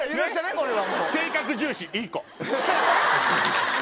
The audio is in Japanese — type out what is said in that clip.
これは。